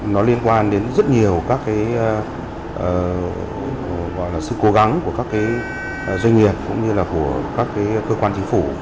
nó liên quan đến rất nhiều các cái gọi là sự cố gắng của các cái doanh nghiệp cũng như là của các cơ quan chính phủ